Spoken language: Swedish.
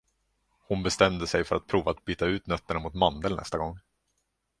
Hon bestämde sig för att prova att byta ut nötterna mot mandel nästa gång.